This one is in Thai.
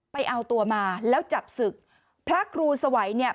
ไปเอาตัวมาแล้วจับศึกพระครูสวัยเนี่ย